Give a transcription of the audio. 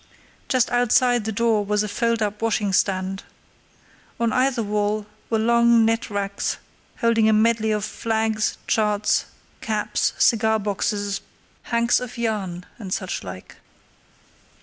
Just outside the door was a fold up washing stand. On either wall were long net racks holding a medley of flags, charts, caps, cigar boxes, hanks of yarn, and such like.